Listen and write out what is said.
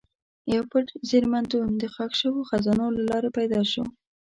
یو پټ زېرمتون د ښخ شوو خزانو له لارې پیدا شو.